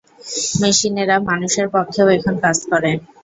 মেশিনেরা মানুষের পক্ষেও এখন কাজ করে।